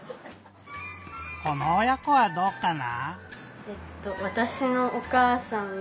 このおや子はどうかな？